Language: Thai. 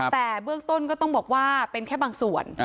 แต่เบื้องต้นก็ต้องบอกว่าเป็นแค่บางส่วน